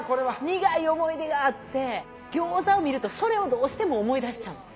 苦い思い出があって餃子を見るとそれをどうしても思い出しちゃうんです。